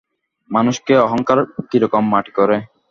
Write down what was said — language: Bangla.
মানুষকে অহংকার কিরকম মাটি করে!